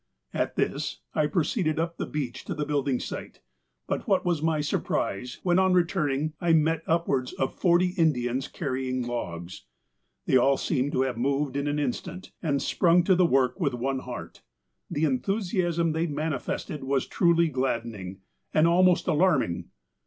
At this, I proceeded up the beach to the building site; but what was my surprise, when, on re turning, I met upwards of forty Indians carrying logs. " They all seemed to have moved in an instant, and sprung to the work with one heart. The enthusiasm they manifested was truly gladdening, and almost alarming.